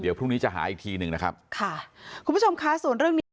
เดี๋ยวพรุ่งนี้จะหาอีกทีหนึ่งนะครับค่ะคุณผู้ชมคะส่วนเรื่องนี้